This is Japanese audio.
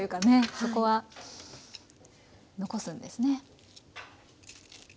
そこは残すんですね。